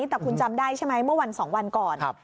แต่คุณจำได้ใช่ไหมเมื่อวัน๒วันก่อน